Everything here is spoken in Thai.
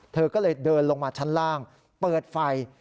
เธอก็เลยเดินลงมาชั้นล่างเปิดไฟ